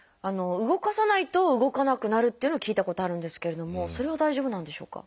動かさないと動かなくなるっていうのを聞いたことあるんですけれどもそれは大丈夫なんでしょうか？